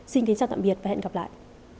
xin chào tạm biệt và hẹn gặp lại